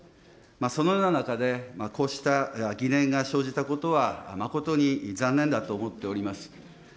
そのような中で、こうした疑念が生じたことは、誠に残念だと思っております。